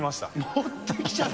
持ってきちゃった。